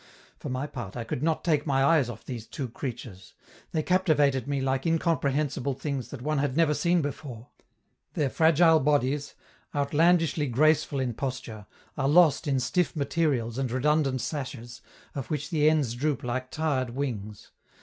For my part, I could not take my eyes off these two creatures; they captivated me like incomprehensible things that one never had seen before. Their fragile bodies, outlandishly graceful in posture, are lost in stiff materials and redundant sashes, of which the ends droop like tired wings.